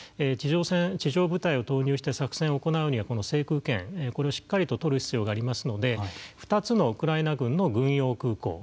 地上戦地上部隊を投入して作戦を行うにはこの制空権、これをしっかりととる必要がありますので２つのウクライナ軍の軍用空港